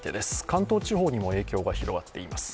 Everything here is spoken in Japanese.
関東地方にも影響が広がっています。